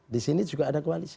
di sini juga ada koalisi